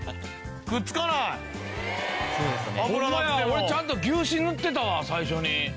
俺ちゃんと牛脂ぬってたわ最初に。